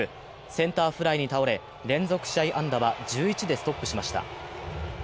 センターフライに倒れ、連続試合安打は１１でストップしました。